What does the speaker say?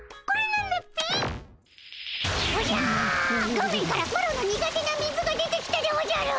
画面からマロの苦手な水が出てきたでおじゃる！